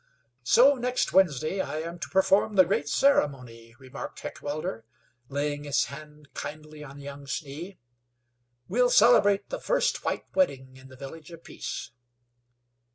"So next Wednesday I am to perform the great ceremony," remarked Heckewelder, laying his hand kindly on Young's knee. "We'll celebrate the first white wedding in the Village of Peace."